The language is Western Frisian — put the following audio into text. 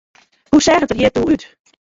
Hoe seach it der hjir doe út?